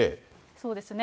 そうですね。